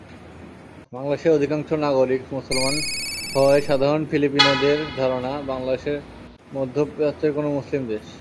বাংলাদেশের অধিকাংশ নাগরিক মুসলমান হওয়ায় সাধারণ ফিলিপিনোদের ধারণা, বাংলাদেশ মধ্যপ্রাচ্যের কোনো মুসলিম দেশ।